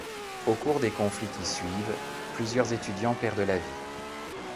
Au cours des conflits qui suivent, plusieurs étudiants perdent la vie.